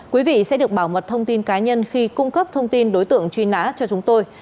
quý vị sẽ được bảo mật thông tin cá nhân khi cung cấp thông tin đối tượng truy nã cho chúng tôi